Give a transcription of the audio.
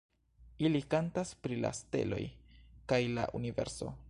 Ili kantas pri la steloj kaj la universo.